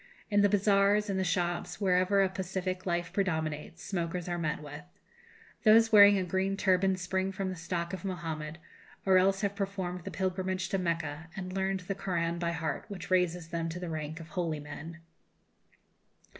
In the bazaars, in the shops, wherever a pacific life predominates, smokers are met with. Those wearing a green turban spring from the stock of Mohammed, or else have performed the pilgrimage to Mecca and learned the Koran by heart, which raises them to the rank of holy men.